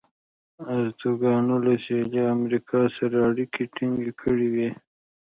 ازتکانو له سویلي امریکا سره اړیکې ټینګې کړې وې.